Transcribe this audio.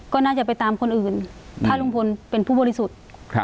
ก็น่าจะไปตามคนอื่นถ้าลุงพลเป็นผู้บริสุทธิ์